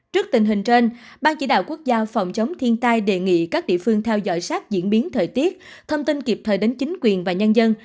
trước tình hình trên ban chỉ đạo quốc gia phòng chống thiên tai đề nghị các địa phương theo dõi sát diễn biến thời tiết thông tin kịp thời đến chính quyền và nhân dân